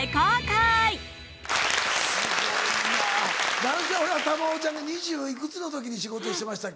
何せ俺は珠緒ちゃんが２０いくつの時に仕事してましたっけ？